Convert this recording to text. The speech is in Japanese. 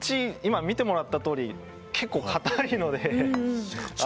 今、見てもらったとおり結構、硬いので。